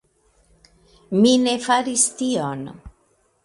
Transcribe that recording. Mi ne faris tion.